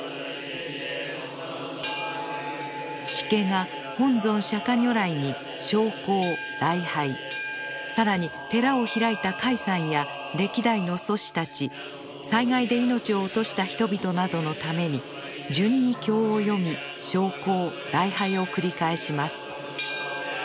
師家が本尊・釈如来に焼香礼拝更に寺を開いた開山や歴代の祖師たち災害で命を落とした人々などのために順に経を読み焼香礼拝を繰り返します。